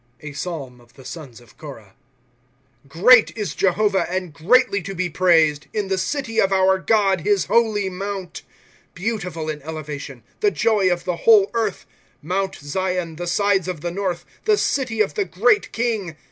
A Psalm of the Sons of Korah, ^ Gemat is Jehovah, and greatly to be praised, In the city of our God, his holy mount. * Beautiful in elevation, the joy of the whole earth, Mount Zion, the sides of the north. The city of the great King